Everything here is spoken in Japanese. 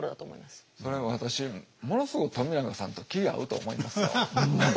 それ私ものすごい冨永さんと気ぃ合うと思いますよ。